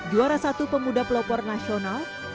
juara satu pemuda pelopor nasional